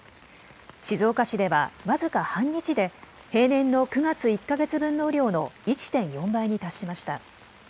静岡市では僅か半日で平年の９月１か月分の雨量の１．４倍に達しました。